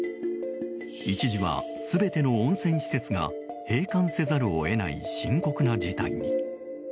一時は、全ての温泉施設が閉館せざるを得ない深刻な事態に。